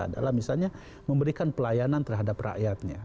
adalah misalnya memberikan pelayanan terhadap rakyatnya